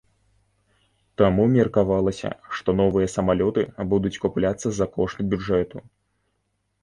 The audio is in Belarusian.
Таму меркавалася, што новыя самалёты будуць купляцца за кошт бюджэту.